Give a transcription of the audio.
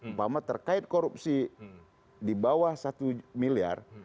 umpama terkait korupsi di bawah satu miliar